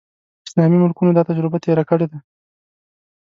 اسلامي ملکونو دا تجربه تېره کړې ده.